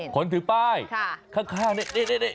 คนถือป้ายผมเห็นมิซิค่ะค่ะค่ะฮ่านี่ว้าว